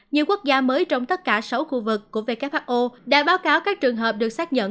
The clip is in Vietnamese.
nhiều quốc gia mới trong tất cả sáu khu vực của who đã báo cáo các trường hợp được xác nhận